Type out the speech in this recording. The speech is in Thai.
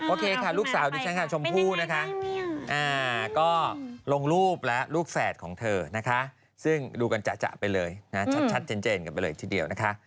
โอเคค่ะลูกสาวดิฉันค่ะชมพู่นะคะก็ลงรูปและลูกแฝดของเธอนะคะซึ่งดูกันจ่ะไปเลยนะชัดเจนกันไปเลยทีเดียวนะคะ